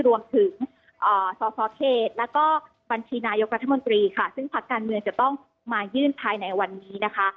รวมถึงสสเขตแล้วก็บัญชีนายกรัฐมนตรีค่ะซึ่งพักการเมืองจะต้องมายื่นภายในวันนี้นะคะ